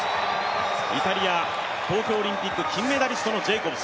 イタリア、東京オリンピック金メダリストのジェイコブス。